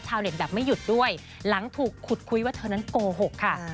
แบบไม่หยุดด้วยหลังถูกขุดคุยว่าเธอนั้นโกหกค่ะ